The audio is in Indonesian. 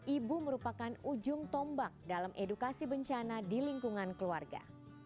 ibu merupakan ujung tombak dalam edukasi bencana di lingkungan keluarga